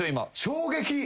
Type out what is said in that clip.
衝撃。